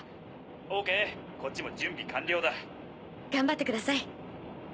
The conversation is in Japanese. ＯＫこっちも準備完了だ。頑張ってください。